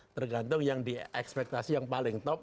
tergantung yang di ekspektasi yang paling top